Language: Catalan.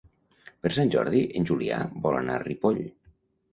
Per Sant Jordi en Julià vol anar a Ripoll.